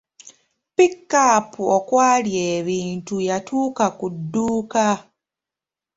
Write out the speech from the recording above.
Pikapu okwali ebintu yatuuka ku dduuka.